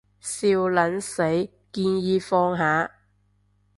笑撚死，建議放下